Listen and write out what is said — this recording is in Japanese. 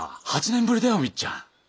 ８年ぶりだよお美津ちゃん。